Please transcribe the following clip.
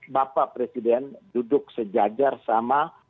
bapak presiden duduk sejajar sama